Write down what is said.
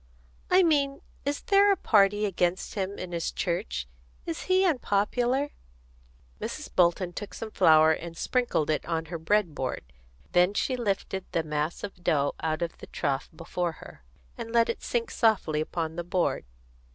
"I mean, is there a party against him in his church? Is he unpopular?" Mrs. Bolton took some flour and sprinkled it on her bread board; then she lifted the mass of dough out of the trough before her, and let it sink softly upon the board.